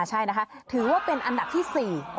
ใช่นะคะถือว่าเป็นอันดับที่๔